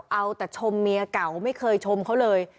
เอาแต่ชมเมียเก่าไม่เคยชมเขาเลย